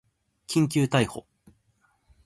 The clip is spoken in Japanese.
緊急逮捕